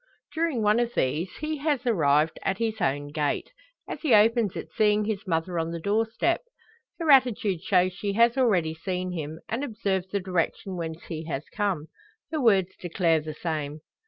During one of these he has arrived at his own gate, as he opens it seeing his mother on the door step. Her attitude shows she has already seen him, and observed the direction whence he has come. Her words declare the same.